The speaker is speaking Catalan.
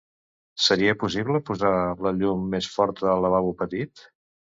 Seria possible posar la llum més forta al lavabo petit?